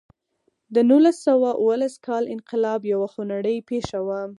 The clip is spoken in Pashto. د نولس سوه اوولس کال انقلاب یوه خونړۍ پېښه وه.